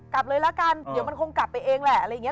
กลับเลยละกันเดี๋ยวมันคงกลับไปเองแหละ